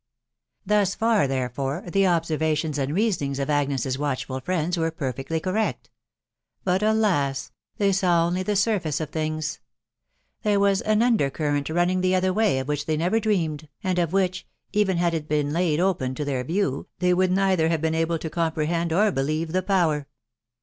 Thus far, therefore, the observations and reasonings of Agnes's watchful friends were perfectly correct. But, alas ! they saw only the surface of things. There was an under current running the other way of which they never dreamed, and of which, even had it been laid open to their view, they would neither have been able to comyfteYievui at \y&s?i«. <&«. 220 THE WIDOW BABNABY. power.